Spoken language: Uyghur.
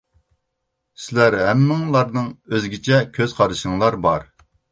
سىلەر ھەممىڭلارنىڭ ئۆزگىچە كۆز قارىشىڭلار بار.